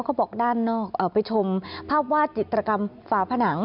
เขาบอกด้านนอกไปชมภาพวาดจิตรกรรมฝาผนัง